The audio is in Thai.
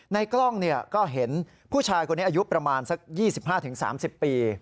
ในกล้องก็เห็นผู้ชายคนนี้อายุประมาณสัก๒๕๓๐ปี